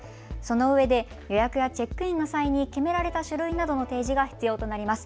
そのうえで予約やチェックインの際に決められた書類などの提示が必要となります。